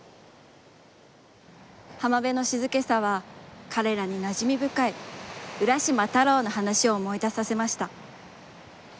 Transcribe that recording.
浜辺の静けさは、彼らに、なじみぶかい浦島太郎の話を思い出させました。